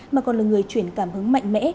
mà còn là người chuyển cảm hứng mạnh mẽ